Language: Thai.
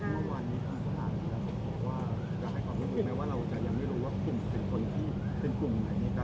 หมอบรรยาหมอบรรยาหมอบรรยา